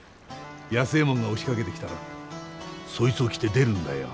安右衛門が押しかけてきたらそいつを着て出るんだよ。